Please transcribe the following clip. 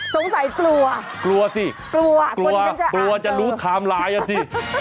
สงสัยกลัวกลัวสิกลัวจะรู้คามลายอ่ะสิ